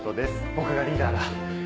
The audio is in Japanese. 僕がリーダーだ。